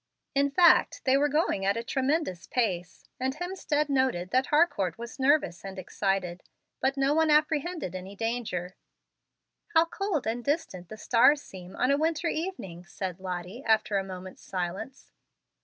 In fact, they were going at a tremendous pace, and Hemstead noted that Harcourt was nervous and excited. But no one apprehended any danger. "How cold and distant the stars seem on a winter evening!" said Lottie, after a moment's silence.